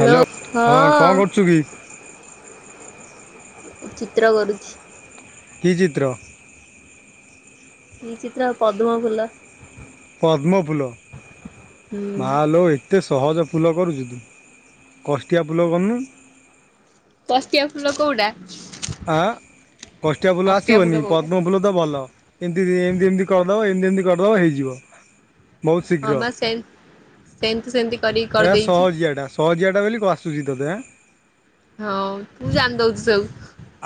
Hello ହଁ କଁ କରୁଛୁ କି। ଚିତ୍ର କରୁଛି। କି ଚିତ୍ର। କି ଚିତ୍ର ପଦ୍ମ ଫୁଲ। ପଦ୍ମଫୁଲ ହୁଁ। ମାଲୋ ଏ ଏତେ ସହଜ ପୁଲ କରୁଛୁ ତୁ କଷ୍ଟିଆ ପୁଲ କରୁନୁ। କାଷ୍ଟିଆ ଫୁଲ କୋଉଟା। ଆଁ କାଷ୍ଟିଆ ଫୁଲ କଷ୍ଟିଆ ଆସିବନି କୋଉଟା ପଦ୍ମ ଫୁଲ ତ ଭଲ। ଏମିତି ଏମିତି ଏମିତି କରିଦବ ଏମିତି ଏମିତି କରିଦବ ହେଇଯିବ। ବହୁତ ଶୀଘ୍ର ହଁ ବା ସେ ସେମିତି ସେମିତି କରିକି ଏରା କରିଦେଇଛି। ସହଜିଆଟା ସହଜିଆଟା ବୋଲି କହ ଆସୁଛି ତୋତେ ଏଁ। ହଁ ତୁ ଜାଣି ଦଉଚୁ ସବୁ।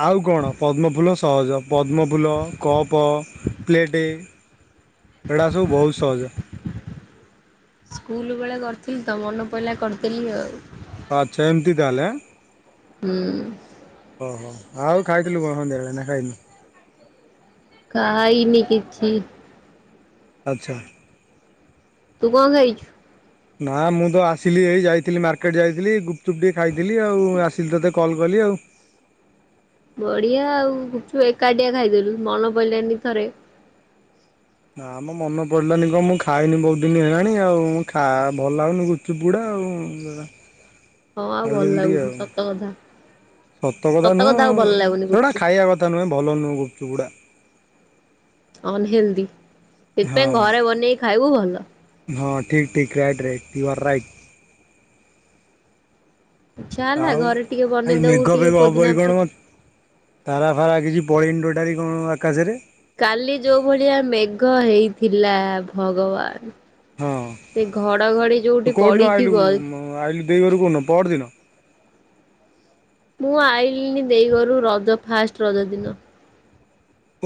ଆଉ କଣ ପଦ୍ମଫୁଲ ସହଜ ପଦ୍ମଫୁଲ କପ। ପ୍ଲେଟ ଏଡା ସବୁ ବହୁତ ସହଜ। ସ୍କୁଲ ବେଳେ କରିଥିଲି ତ ମନ ପଡ଼ିଲା କରିଥିଲି ଆଉ। ଅଚ୍ଛା ଏମିତି ତାହେଲେ। ହୁଁ। ଓହୋ ଆଉ ଖାଇଥିଲୁ କଣ ସନ୍ଦ୍ୟବେଳେ ନା ଖାଇନୁ। ଖାଇନି କିଛି। ଆଚ୍ଛା। ତୁ କଣ ଖାଇଛୁ। ନା ମୁଁ ତ ଆସିଲି ଏଇ ଯାଇଥିଲି ମାର୍କେଟ ଯାଇଥିଲି ଗୁପଚୁପ୍ ଟିକେ ଖାଇଥିଲି ଆଉ ଆସିଲି ତୋତେ କଲ୍ କଲି ଆଉ। ବଢିଆ ଆଉଛୁ ଏକାଟିଆ ଖାଇଦେଲୁ ମନ ପଇଲାନି ଥରେ। ନାମଁ ମନେ ପଡିଲାନି କଣ ମୁଁ ଖାଇନି ବହୁତ ଦିନ ହେଲାଣି ଆଉ ମୁଁ ଖ ଭଲ ଲାଗୁନି। କି ବୁଡ଼ା ଆଉ। ହ ହଁ ଆଉ ଭଲ ଖାଇଦେଲି ଟିକେ ଲାଗୁନି ଆଉ ସତ କଥା ସତ କଥା ଆଉ ଭଲ ଲାଗୁନି ଗୁପଚୁପ। ହେଟା ନୁହେଁ ଭଲ ନୁହଁ ଗୁପଚୁପ ଗୁଡା। ଅନହେଲଦି ସେଥିପାଇଁ ଘରେ ହଁ ବନେଇକି ଖାଇବୁ ଭଲ। ହଁ ଠିକ ଠିକ right right you are right. ଇଚ୍ଛା ହେଲା ଆଉ ଘରେ ଟିକେ ଭାଇ ବନେଇଦବୁ ମେଘ ଟିକେ ଫେଘ ପୋଦିନା ହବକି କଣ ପତ୍ର ମ ତାରା ଫାରା କିଛି ପଡିନି ଟୋଟାଲୀ କଣ ଆକାଶରେ। କାଲି ଯୋଉ ଭଳିଆ ମେଘ ହେଇଥିଲା ଭଗବାନ। ହଁ। ସେ ଘଡ ଘଡି ଯୋଉଠି ପଡିଥିବ। ହଁ ଆଇଲି ଦେଇ ଘରୁ କୋଉଦିନ ପରଦିନ। ମୁଁ ଆଇଲିଣି ଦେଇଗରୁ ରଜ ଫାଷ୍ଟ ରଜ ଦିନ।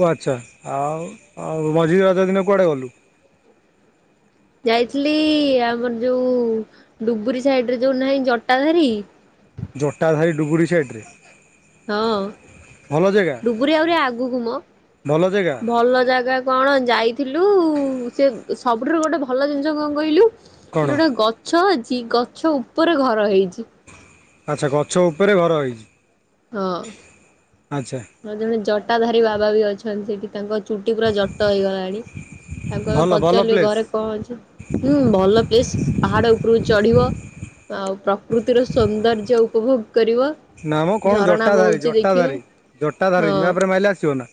ଓ ଆଚ୍ଛା ଆଉ ଆଉ ମଝି ରଜ ଦିନେ କୁଆଡ଼େ ଗଲୁ। ଯାଇଥିଲି ଆମର ଯୋଉ ଡୁବରି ସାଇଡ ରେ ଯୋଉ ନାହିଁ ଜଟାଧାରୀ। ଜଟାଧାରୀ ଡୁବୁରି ସାଇଟ ରେ? ହଁ ଡୁବରି ଆହୁରି ଆଗକୁ ମୋ। ଭଲ ଜାଗା ଭଲ ଜାଗା କଣ ଯାଇଥିଲୁ ସେ ସବୁଠାରୁ ଗୋଟେ ଭଲ ଜିନିଷ କଣ କହିଲୁ? କଣ? ସେ ଗୋଟେ ଗ ଛ ଅଛି, ଗଛ ଉପରେ ଘର ହେଇଛି। ଆଚ୍ଛା ଗଛ ଉପରେ ଘର ହେଇଛି। ହଁ। ଆଚ୍ଛା। ହଁ ଜଣେ ଜଟାଧାରୀ ବାବା ବି ଅଛନ୍ତି। ସେଠି ତାଙ୍କ ଚୁଟି ପୁରା ଜଟ ହେଇଗଲାଣି। ତାଙ୍କୁ ଆମେ ଭଲ ଭଲ ପଚାରିଲୁ ଏ ପ୍ଲେସ୍। ଘରେ କଣ ଅଛି? ହୁଁ, ଭଲ ପ୍ଲେସ୍, ପାହାଡ ଉପରକୁ ଚଢିବ। ଆଉ ପ୍ରକୃତିର ସୌନ୍ଦର୍ଯ୍ୟ ଉପଭୋଗ କରିବ। ନା ମ କଣ ଝରଣା ଜଟାଧାରୀ, ବହୁଛି ଦେଖିବ ଜଟାଧାରୀ, ହଁ ଜଟାଧାରୀ ମ୍ୟାପ୍ ରେ ମାଇଲେ ଆସିବ ନା?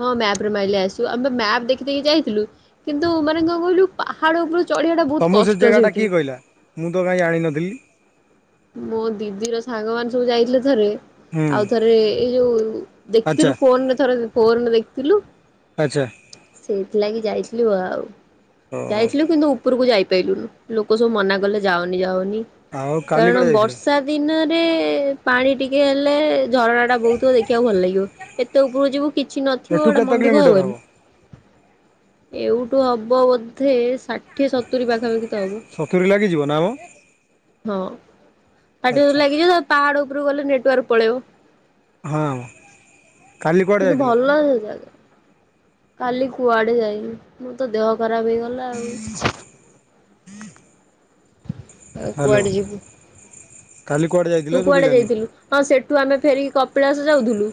ହଁ ମ୍ୟାପ୍ ରେ ମାଇଲେ ଆସିବ। ଆମେ ମ୍ୟାପ୍ ଦେଖି ଦେଖି ଯାଇଥିଲୁ। କିନ୍ତୁ ମାନେ କଣ କହିଲୁ ପାହାଡ ଉପରକୁ ଚଢିବା ଟା ବହୁତ ତମକୁ ସେ କଷ୍ଟ ଜାଗାଟା ସେଇଠି। କିଏ କହିଲା ମୁଁ ତ କାଇଁ ଜାଣିନଥିଲି। ମୋ ଦିଦିର ସାଙ୍ଗ ମାନେ ସବୁ ଯାଇଥିଲେ ଥରେ। ହୁଁ ଆଉ ଥରେ ଏଇ ଯୋଉ ଆଚ୍ଛା। ଦେଖିଥିଲୁ ଫୋନ୍ ରେ ଥରେ, ଫୋନ୍ ରେ ଦେଖିଥିଲୁ। ଆଚ୍ଛା। ସେଇଥିଲାଗି ଯାଇଥିଲୁ ଆଉ। ଓହୋ ଯାଇଥିଲୁ କିନ୍ତୁ ଉ ଉପରକୁ ଯାଇପାଇଲୁନୁ। ଲୋକ ସବୁ ମନା କଲେ ଯାଅନି ଯାଅନି। ଆଉ କାଲି କାରଣ କୁଆଡ଼େ ଯାଇଥିଲ? ବର୍ଷା ଦିନରେ ପାଣି ଟିକେ ହେଲେ ଝରଣା ଟା ବହୁଥିବ ଦେଖିବାକୁ ଭଲ ଲାଗିବ। ଏତେ ଉପରକୁ ଯିବୁ କିଛି ନଥିବ ଏଠୁ ଗୋଟା କେତେ ମନଦୁଃଖ କିଲୋମିଟର ହବ ହବନି। ଏଉଠୁ ହବ ବୋଧେ ଷାଠିଏ ସତୁରି ପାଖାପାଖି ତ ହବ। ସତୁରୀ ଲାଗିଯିବ ନା ମୋ। ହଁ ଷାଠିଏ ଆଚ୍ଛା। ସତୁରୀ ଲାଗିଯିବ। ତ ପାହାଡ ଉପରକୁ ଗଲେ ନେଟୱାର୍କ ପଳେଇବ। ହଁ କାଲି କୁଆଡ଼େ କିନ୍ତୁ ଯାଇଥିଲ ଭଲ ସେ ଜାଗା। କାଲି କୁଆଡେ ଯାଇିନି। ମୋ ତ ଦେହ ଖରାପ ହେଇଗଲା ଆଉ। ଆଉ ହ୍ୟାଲୋ କୁଆଡେ ଯିବୁ। କାଲି କୁଆଡେ ଯାଇ ତୁ କୁଆଡେ ଯାଇଥିଲୁ? ହଁ ସେଠୁ ଆମେ ଫେରିକି କପିଳାସ ଯାଉଥୁଲୁ।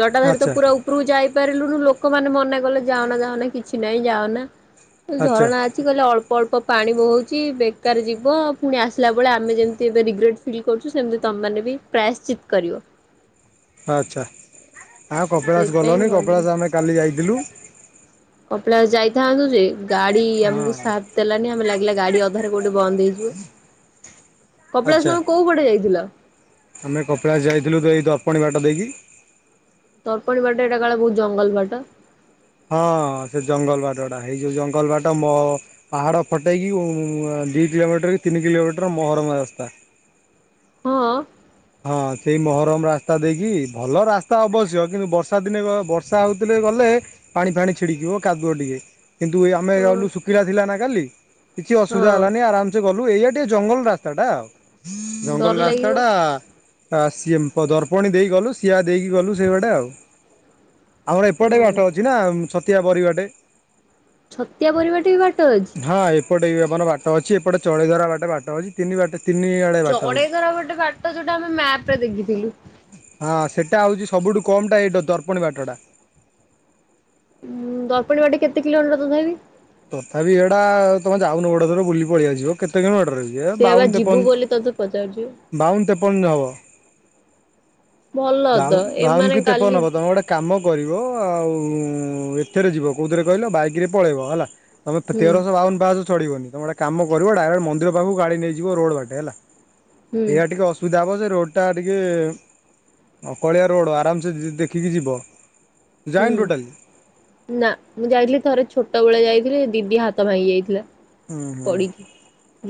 ଜଟାଧାରୀ ତ ଆଚ୍ଛା ପୁରା ଉ ଉପରକୁ ଯାଇପାରିଲୁନୁ ଲୋକମାନେ ମାନେ କଲେ ଯାଅନା ଯାଅନା କିଛି ନାହିଁ ଯାଅନା। [unintelligible] ଆଚ୍ଛା ଝରଣା ଅ ଛି କହିଲେ ଅଳ୍ପ ଅଳ୍ପ ପାଣି ବହୁଛି, ବେକାର ଯିବ ପୁଣି ଆସିଲା ବେଳେ ଆମେ ଯେମିତି ଏବେ ରିଗ୍ରେଟ୍ ଫିଲ୍ କରୁ ଛୁ, ସେମିତି ତୋମେ ମାନେ ବି ପ୍ରାୟଶ୍ଚିତ କରିବ। ଆଚ୍ଛା, ଆ, କପିଳାସ ସେଇଥିପାଇଁ ଗଲନି। ଗଲୁନୁ। କପିଳାସ ଆମେ କାଲି ଯାଇଥିଲୁ। କପିଳାସ ଯାଇଥାନ୍ତୁ ଯେ ଗାଡି ଆମକୁ ହଁ ସାଥ ଦେଲାନି, ଆମେ ଲାଗିଲା ଗାଡି ଅଧାରେ କୋଉଠି ବନ୍ଦ ହେଇଯିବ। କପିଳାସ ଆଚ୍ଛା ତୋମେ କୋଉ ପଟେ ଯାଇଥିଲ? ଆମେ କପିଳାସ ଯାଇଥିଲୁ ତ ଏଇ ଦର୍ପଣି ବାଟ ଦେଇକି। ତର୍ପଣୀ ବାଟେ ଏଟା କାଳେ ବହୁତ ଜଙ୍ଗଲ ବାଟ। ହଁ ସେ ଜଙ୍ଗଲ ବାଟ ଟା। ହେଇ ଯୋଉ ଜଙ୍ଗଲ ବାଟ ମୋ ପାହାଡ ଫଟେଇକି ଓ ଉଁ, ଦି କିଲୋମିଟର କି ତିନି କିଲୋମିଟର ମହରମ ରାସ୍ତା। ହଁ। ହଁ ସେଇ ମହରମ ରାସ୍ତା ଦେଇକି, ଭଲ ରାସ୍ତା ଅବଶ୍ୟ। କିନ୍ତୁ ବର୍ଷା ଦିନେ ଗ-ବର୍ଷା ହଉଥିଲେ ଗଲେ ପାଣି ଫାଣି ଛିଡିକିିବ କାଦୁଅ ଟିକେ। କିନ୍ତୁ ଏ ଆମେ ଓ ଗଲୁ ଶୁଖିଲା ଥିଲା ନା କାଲି କିଛି ଅସୁବିଧା ହଁ ହେଲାନି। ଆରାମ ଯେ ଗଲୁ ଏଇଆ ଟିକେ ଜଙ୍ଗଲ ରାସ୍ତା ଟା ଆଉ। ଡର ଜଙ୍ଗଲ ରାସ୍ତା ଲାଗିବ। ଟା ଆ, ସିଏମ୍ ପ-ଦର୍ପଣୀ ଦେଇ ଗଲୁ, ସିଆ ଦେଇକି ଗଲୁ ସେଇବାଟେ ଆଉ। ଆମର ଓ ଏପଟେ ବାଟ ଛତିଆ ଅଛି ନା ଛତିଆ ବରି ବାଟେ। ଛତିଆ ବରି ବାଟେ ବି ବାଟ ଅଛି? ହଁ ଏପଟେ ବି ଆମର ବାଟ ଅଛି ଏପଟେ ଚଡେଇ ଧରା ବାଟେ ବାଟ ଅଛି ତିନି ବାଟ ତିନି ଆଡେ ବାଟ ଅଛି। ତ ଯୋଉଟା ଆମେ ମ୍ୟାପ ରେ ଦେଖିଥିଲୁ ହଁ ସେଇଟା ହେଉଛି ସବୁଠୁ କମ ଟା ଏଇଟା ଦର୍ପଣୀ ବାଟଟା। ଉ ଦର୍ପଣୀ ବାଟ କେତେ କିଲୋମିଟର ତଥାପି। ତଥାପି ଏଇଟା ତମେ ଯାଉନ ଗୋଟେ ଥର ବୁଲି ପଳେଇ ଆସିବ କେତେ କିଲୋମିଟର କି ଏ ସେଇଆ ବାଉନ ବା ତେପନ ଯିବୁ ବୋଲି ତୋତେ ପଚାରୁଛି। ବାଉନ ତେପନ ହବ ଭଲ ତ ବାଉ ବାଉନ ଏମାନେ କି କାଲି ତେପନ ହବ ତମେ ଗୋଟେ କାମ କରିବ ଆଉ ଏଥିରେ ଯିବ କୋଉଥିରେ କହିଲ ବାଇକ ରେ ପଳେଇବ ହେଲା ତମେ ହୁଁ ତେରସହ ବାଉନ ପାହାଚ ଚଢ଼ିବନି ତୁମେ ଗୋଟେ କାମ କରିବ ଡାଇରେକ୍ଟ ମନ୍ଦିର ପାଖକୁ ଗାଡି ନେଇଯିବ ରୋଡ ବାଟେ ହେଲା ହୁଁ ଏଇଆ ଟିକେ ଅସୁ ବିଧା ହବ ଯେ ରୋଡ଼ଟା ଟିକେ ଅକଳିଆ ରୋଡ଼ ଆରାମ ସେ ଦେଖିକି ଯିବ। ହୁଁ ଯାଇନୁ ଟୋଟାଲି ନା ମୁଁ ଯାଇଥିଲି ଥରେ ଛୋଟ ବେଳେ ଯାଇଥିଲି ଦିଦି ହାତ ଭାଙ୍ଗି ଯାଇଥିଲା। ହୁଁ ହୁଁ ପଡିକି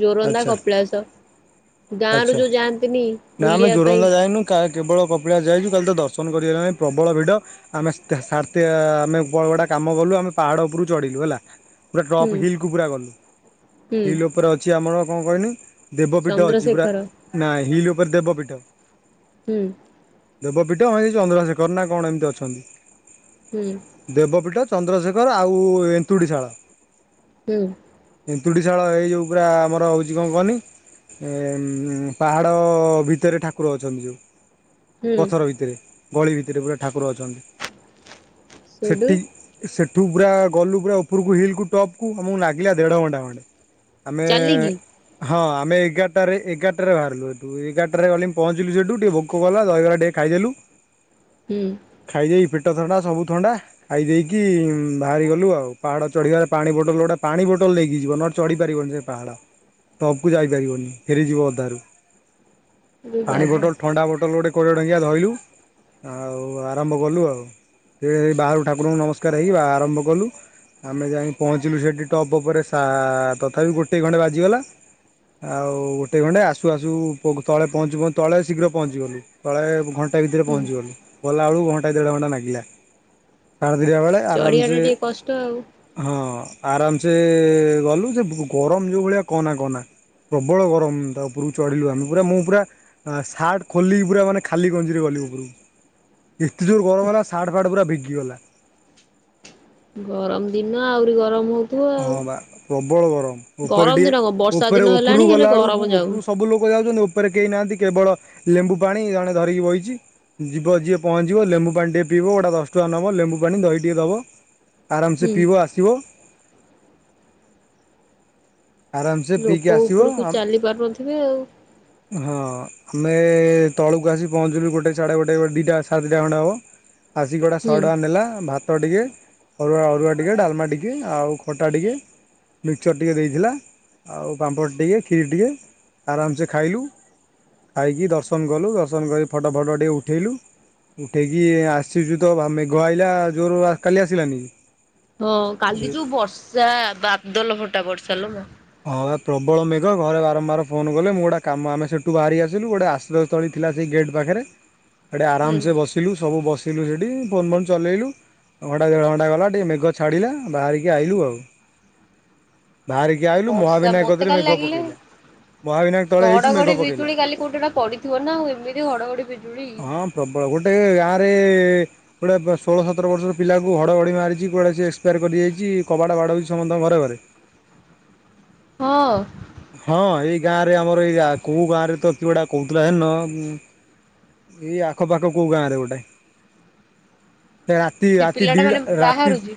ଜୋରନ୍ଦା ଆଚ୍ଛା କପିଳାସ। ଗାଁ ରୁ ଆଚ୍ଛା ଯୋଉ ଯାଆନ୍ତିନି ବୁଲିବା ପାଇଁ। କା କେବଳ କପିଳାସ ଯାଇଛୁ କାଲି ତ ଦର୍ଶନ କରିହେଲା ନାହିଁ ପ୍ରବଳ ଭିଡ଼ ଆମେ ସାର ଟି ଆ ଆମେ ପୁଣି ଗୋଟେ କାମ କଲୁ ଆମେ ପାହାଡ ଉପରୁକୁ ଚଢିଲୁ ହେଲା ପୁରା ହୁଁ ଟପ୍ ହିଲ୍ କୁ ପୁରା ଗଲୁ ହୁଁ ହିଲ୍ ଉପରେ ଅଛି ଆମର କଣ କହନି ଦେବପୀଠ ଅଛି। ଚନ୍ଦ୍ରଶେଖର ନା ହିଲ୍ ଉପରେ ଦେବପୀଠ। ହୁଁ ଦେବପୀଠ ଏଇ ଚନ୍ଦ୍ରଶେଖର ନା କଣ ଏମିତି ଅଛନ୍ତି। ହୁଁ। ଦେବପୀଠ ଚନ୍ଦ୍ରଶେଖର ଆଉ ଏନ୍ତୁଡ଼ିଶାଳ। ହୁଁ। ଏନ୍ତୁଡ଼ିଶାଳ ଏଇ ଯୋଉ ପୁରା ଆମର ହେଉଛି କଣ କହନି ଏ ଉଁ ପାହାଡ଼ ଭିତରେ ଠାକୁର ଅଛନ୍ତି ହୁଁ ପଥର ଭିତରେ। ଗଳି ଭିତରେ ପୁରା ଠାକୁର ଅଛନ୍ତି ସେଇଠୁ ସେଠି ସେଠୁ ପୁରା ଗଲୁ ପୁରା ଉପରକୁ ହିଲ୍ କୁ ଟପ୍ କୁ ଆମକୁ ଲାଗିଲା ଦେଢ଼ ଘଣ୍ଟା ଖଣ୍ଡେ। ଆମେ ଚାଲିକି ହଁ ଆମେ ଏଗାର ଟାରେ ଏଗାରଟାରେ ବାହାରିଲୁ ଏଠୁ ଏଗାରଟାରେ ଗଲେ ପହଞ୍ଚିଲୁ ସେଠୁ ଟିକେ ଭୋକ କଲା ଦହିବରା ଟିକେ ଖାଇଦେଲୁ। ହୁଁ। ଖାଇଦେଇ ପେଟ ଥଣ୍ଡା ସବୁ ଥଣ୍ଡା ଖାଇ ଦେଇକି ବାହାରି ଗଲୁ ଆଉ ପାହାଡ ଚଢିବା ପାଣି ବୋଟଲ ଗୋଟେ ପାଣି ବୋଟଲ ନେଇକି ଯିବ ନହେଲେ ଚଢି ପାରିବନି ସେ ପାହାଡ ଟପ୍ କୁ ଯାଇ ପାରିବନି ଫେରିଯିବ ଅଧାରୁ ଏ ପାଣି ବାବା ବୋଟଲ ଥଣ୍ଡା ବୋଟଲ ଗୋଟେ କୋଡ଼ିଏ ଟଙ୍କିଆ ଧଇଲୁ ଆଉ ଆରମ୍ଭ କଲୁ ଆଉ। ସେ ବାହାରୁ ଠାକୁରଙ୍କୁ ନମସ୍କାର ହେଇକି ଆରମ୍ଭ କଲୁ ଆମେ ଯାଇକି ପହଞ୍ଚିଲୁ ସେଠି ଟପ୍ ଉପରେ ଶା ତଥାପି ଗୋଟେ ଖଣ୍ଡେ ବାଜିଗଲା। ଆଉ ଆଉ ଗୋଟେ ଘଣ୍ଟା ଆସୁ ଆସୁ ପୁକୁ ତଳେ ପହଞ୍ଚୁ ପହଞ୍ଚୁ ତଳେ ଶୀଘ୍ର ପହଞ୍ଚି ଗଲୁ ତଳେ ଘ ଣ୍ଟେ ଭିତରେ ପହଞ୍ଚି ଗଲୁ ଗଲାବେଳକୁ ଘଣ୍ଟାଏ ଦେଢ ଘଣ୍ଟା ଲାଗିଲା। ସାଢ଼େ ଦିଇଟା ବେଳେ ଚଢିବାଟା ଆରାମସେ ଟିକେ କଷ୍ଟ ଆଉ ହଁ ଆରାମସେ ଗଲୁ ସେ ଗରମ ଯେଉଁ ଭଳିଆ କହନା କହନା ପ୍ରବଳ ଗରମ ତା ଉପରକୁ ଚଢ଼ିଲୁ ଆମେ ପୁରା ମୁଁ ପୁରା ସାର୍ଟ ଖୋଲିକି ପୁରା ମାନେ ଖାଲି ଗଞ୍ଜିରେ ଗଲି ଉପରକୁ। ଏତେ ଜୋର ଗରମ ହେଲା ସାର୍ଟ ଫାର୍ଟ ପୁରା ଭିଗିଗଲା। ଗରମ ଦିନ ଆହୁରି ଗରମ ହଉ ହଁ ବା ପ୍ରବଳ ଗରମ ଉପରେ ଦିନ କଣ ଟିକେ ବର୍ଷା ଦିନ ଉପରେ ହେଲାଣି ଉପରକୁ ହେଲେ ଗଲା ଗରମ ବେଳକୁ ଯାଉନି ଉପରକୁ ସବୁ ଲୋକ ଯାଉଛନ୍ତି ଉପରେ କେହି ନାହାନ୍ତି କେବଳ ଲେମ୍ବୁ ପାଣି ଜଣେ ଧରିକି ବଇଛି ଯିବ ଯିଏ ପହଞ୍ଚିବ ଲେମ୍ବୁ ପାଣି ଟିକଏ ପିଇବ ଗୋଟେ ଦଶଟଙ୍କା ନେବ ଲେମ୍ବୁ ପାଣି ଦହି ଟିକିଏ ଦେବ। ଆରାମସେ ହୁଁ ପିଇବ ଆସିବ। ଆରାମସେ ଲୋକ ପିଇକି ଆସିବ ଉପରକୁ ହଁ। ଚାଲି ପାରୁନଥିବେ ଆଉ ଆମେ ତଳକୁ ଆସିକି ପହଞ୍ଚିଲୁ ଗୋଟେ ସାଢେ ଗୋଟେ ଦିଇଟା ସାଢେ ଦିଇଟା ଖଣ୍ଡେ ହବ। ଆସିକି ଗୋଟା ଶହେ ହୁଁ। ଟଙ୍କା ନେଲା ଭାତ ଟିକେ ଅରୁଆ ଅରୁଆ ଟିକେ ଡାଲମା ଟିକେ ଆଉ ଖଟା ଟିକେ ମିକ୍ସଚର୍ ଟିକେ ଦେଇଥିଲା। ଆଉ ପାମ୍ପଡ଼ ଟିକେ କ୍ଷୀରି ଟିକେ ଆରାମସେ ଖାଇଲୁ। ଖାଇକି ଦର୍ଶନ କଲୁ ଦର୍ଶନ କରି ଫଟୋ ଫଟୋ ଟିକେ ଉଠେଇଲୁ। ଉଠେଇକି ଆସିଛୁ ତ ଆମେ ମେଘ ଆଇଲା ଜୋର କାଲି ଆସିଲାନିକି? ହଁ କାଲି ଯୋଉ ବର୍ଷା ବାଦଲ ଫଟା ବର୍ଷା ଲୋ ମା। ହଁ ଏ ପ୍ରବଳ ମେଘ ଘରେ ବାରମ୍ବାର ଫୋନ କଲେ ମୁଁ ଗୋଟେ କାମ ଆମ ସେଠୁ ବାହାରି ଆସିଲୁ ଗୋଟେ ଆଶ୍ ସ୍ଥଳୀ ଥିଲା ସେଇ ଗେଟ୍ ପାଖରେ। [inaudible] ସେଇଠି ହୁଁ। ଆରାମସେ ବସିଲୁ ସବୁ ବସିଲୁ ସେଠି ଫୋନ୍ ଫୋନ୍ ଚଲେଇଲୁ। ଘଣ୍ଟା ଦେଢ ଘଣ୍ଟା ଗଲା ଟିକେ ମେଘ ଛାଡିଲା ବାହାରିକି ଆଇୁଲ ଆଉ ବାହାରିକି ଆଇଲୁ ବର୍ଷା ମହାବିନାୟକ ମତେ କତିରେ କାଲି ମେଘ ଲାଗିଲେ ପକେଇଲା ମହାବିନାୟକ ତଳେ ହେଇଛୁ ଘଡଘଡି ମେଘ ପକେଇଲା। ବିଜୁଳି କାଲି କୋଉଠି ଗୋଟେ ପଡିଥିବ ନା ଆଉ ଏମିତି ହଡଘଡି ବି ହଁ ପ୍ରବଳ ଗୋଟେ ଗାଁରେ ଗୋଟେ ଷୋହଳ ସତର ବର୍ଷର ପିଲାକୁ ହଡ଼ଘଡ଼ି ମାରିଛି କୁଆଡ଼େ ସିଏ ଏକ୍ସପାୟାର କରିଯାଇଛି କବାଟ ବାଡ଼ଉଛି ସମସ୍ତଙ୍କ ଘରେ ଘରେ। ହଁ। ହଁ ଏଇ ଗାଁ ରେ ଆମର ଏଇ କୋଉ ଗାଁ ରେ ତ କିଏ ଗୋଟେ କହୁଥିଲା ସେଦିନ ଉଁ ଏଇ ଆଖପାଖ କୋଉ ଗାଁ ରେ ଗୋଟେ। ରାତି ସେ ରାତି ପିଲାଟା ମାନେ ଦିଇଟା ରାତି ବାହାରୁଛି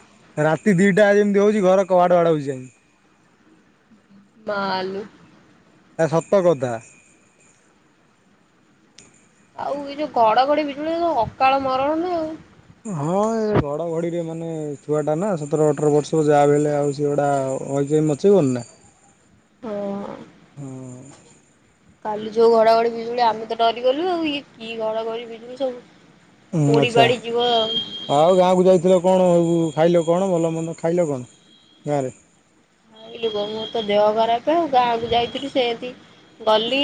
ରାତି ଦିଇଟା ଯେମିତି ହେଉଛି ଘର କବାଟ ବାଡୋଉଛି ସେମିତି ମାଁ ଲୋ। ଏଟା ସତ କଥା। ଆଉ ଏଇ ଯୋଉ ଘଡଘଡି ବିଜୁଳି ଅକାଳ ମରଣ ନା ଆଉ। ହଁ ଏ ଘଡଘଡିରେ ମାନେ ଛୁଆ ଟା ନା ସତର ଅଠର ବର୍ଷ ଯାହା ବି ହେଲେ ଆଉ ସେ ଗୋଟା ଅ [unintelligible] ନା। ହଁ। ହଁ। କାଲି ଯୋଉ ଘଡଘଡି ବଜୁଳି ଆମେ ତ ଡରିଗଲୁ ଆଉ ଇଏ କି ଘଡଘଡି ବିଜୁଳି ସବୁ। ଉଁ ପୋଡି ଆଚ୍ଛା। ପାଡି ଯିବ ଆଉ ଗାଁକୁ ଯାଇଥିଲ କଣ ଖାଇଲ କଣ ଭଲ ମନ୍ଦ ଖାଇଲ କଣ ଗାଁରେ? ଖାଇଲୁ କଣ ମୋର ତ ଦେହ ଖରାପ ଆଉ ଗାଁକୁ ଯାଇଥିଲି ସେମତି ଗଲି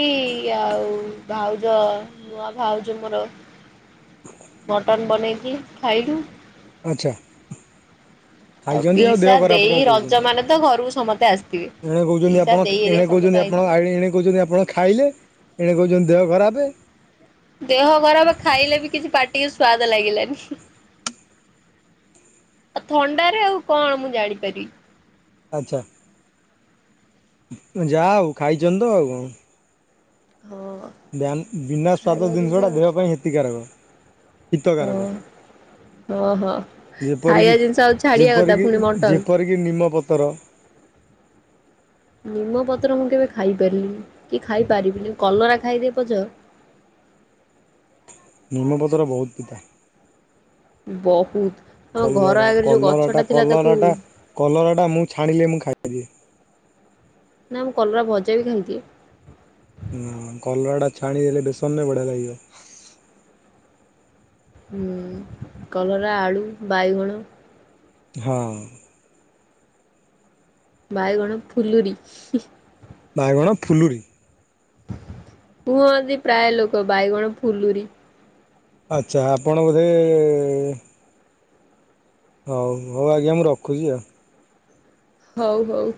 ଆଉ ଭାଉଜ ନୂଆ ଭାଉଜ ମୋର। ମଟନ୍ ବନେଇଚି ଖାଇଲୁ। ଆଚ୍ଛା। ଖାଇଛନ୍ତି ଆଉ ଦେହ ପିଇସା ଖରାପ କଣ ଦେଇ ରଜ କହୁଛନ୍ତି ମାନେ ତ ଘରକୁ ସମସ୍ତେ ଆସିଥିବେ। ଏଣେ କହୁଛନ୍ତି ଆ ପିଇସା ଦେଇ ଆପଣ ହେରିକା ଏଣେ ସମସ୍ତେ କହୁଛନ୍ତି ଆପଣ ଆଇଥିଲେ। ଏଣେ କହୁଛନ୍ତି ଆପଣ ଖାଇଲେ ଏଣେ କହୁଛନ୍ତି ଦେହ ଖରାପେ। ଦେହ ଖରାପ ଖାଇଲେ ବି କିଛି ପାଟିିକୁ ସ୍ଵାଦ ଲାଗିଲାନି। ଥଣ୍ଡାରେ ଆଉ କଣ ମୁଁ ଜାଣିପାରିବି? ଆଚ୍ଛା ଯା ହୋଉ ଖାଇଚନ୍ତି ତ ଆଉ କଣ। ହଁ। ବ୍ୟାନ୍ ବିନା ସ୍ୱାଦ ଖାଇବା ଜିନିଷ ଜିନିଷଟା ଦେହ ହଉଛି ପାଇଁ ହେତିକାରକ ହିତକାରକ। ହଁ ହଁ ଯେପରିକି ଖାଇବା ଜିନିଷ ଆଉ ଛାଡିବା କଥା ପୁଣି ମଟନ୍। କି ନିମପତ୍ର। ନିମପତ୍ର ମୁଁ କେବେ ଖାଇପାରିଲିନି କି ଖାଇପାରିବିନି କଲରା ଖାଇଦେବି ପଛ। ନିମପତ୍ର ବହୁତ ପିତା। ବହୁତ୍ ଆମ ଘର କଲରା ଆଗରେ ଯୋଉ ଗଛ କଲରାଟା ଟା ଥିଲା ତାକୁ କଲରାଟା କଲରାଟା ମୁଁ ଛାଣିଲେ ମୁଁ ଖାଇପାରିବି। ନା ମୁଁ କଲରା ଭଜା ବି ଖାଇଦିଏ। ନା କଲରା ଟା ଛାଣି ଦେଲେ ବେସନ ରେ ବଢିଆ ଲାଗିବ। ହଁ କଲରା ଆଳୁ ବାଇଗଣ। ହଁ। ବାଇଗଣ ଫୁଲୁରି। ବାଇଗଣ ଫୁଲୁରି। କୁହନ୍ତି ପ୍ରାୟ ଲୋକ ବାଇଗଣ ଫୁଲୁରି। ଆଚ୍ଛା ଆପଣ ବୋଧେ ହଉ ହଉ ଆଜ୍ଞା ମୁଁ ରଖୁଚି ଆଉ। ହଉ ହଉ।